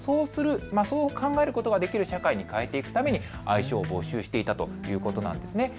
そう考えることができる社会に変えていくために愛称を募集していたということなんです。